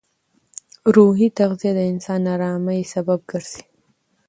روحي تغذیه د انسان ارامۍ سبب ګرځي.